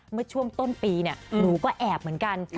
เมื่อช่วงต้นปีหนูก็แอบเหมือนกัน